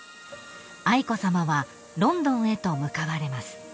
［愛子さまはロンドンへと向かわれます］